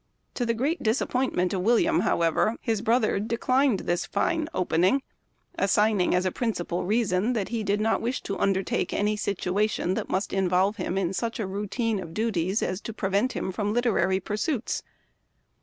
To the great dis appointment of William, however, his brother declined this fine opening, assigning as a prin cipal reason that he did not wish to undertake any situation that must involve him in such a routine of duties as to prevent him from literary pursuits.